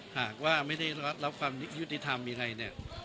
หากว่าไม่ได้รับความยุติธรรมยังไง